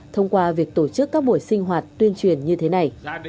thông qua việc tổ chức các buổi sinh hoạt tuyên truyền như thế này